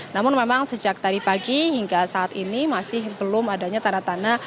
namun memang sejak tadi pagi hingga saat ini masih belum adanya tanda tanda